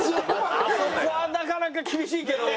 あそこはなかなか厳しいけど。